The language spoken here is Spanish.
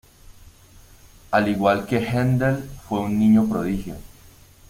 Al igual que Haendel, fue un niño prodigio.